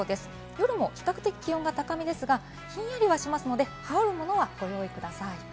夜も比較的、気温が高めですが、ひんやりはしますので、羽織るものはご用意ください。